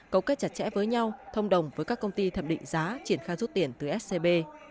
cấu kết chặt chẽ với nhau thông đồng với các công ty thẩm định giá triển khai rút tiền từ scb